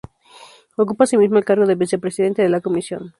Ocupa asimismo el cargo de Vicepresidente de la Comisión.